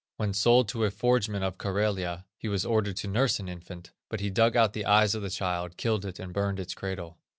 When sold to a forgeman of Karelia, he was ordered to nurse an infant, but he dug out the eyes of the child, killed it, and burned its cradle.